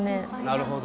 なるほど